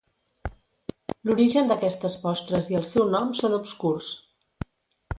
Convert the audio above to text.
L'origen d'aquestes postres i el seu nom són obscurs.